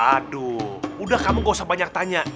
aduh udah kamu gak usah banyak tanya